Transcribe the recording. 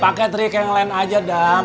paket trik yang lain aja dang